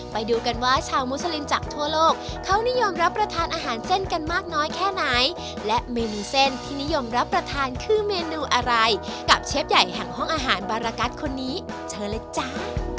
ไปดูกันว่าชาวมุสลิมจากทั่วโลกเขานิยมรับประทานอาหารเส้นกันมากน้อยแค่ไหนและเมนูเส้นที่นิยมรับประทานคือเมนูอะไรกับเชฟใหญ่แห่งห้องอาหารบารกัสคนนี้เชิญเลยจ้า